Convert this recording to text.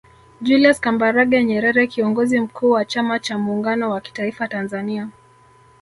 Julius Kambarage Nyerere Kiongozi Mkuu wa chama cha Muungano wa kitaifa Tanzania